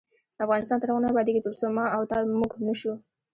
افغانستان تر هغو نه ابادیږي، ترڅو ما او تا "موږ" نشو.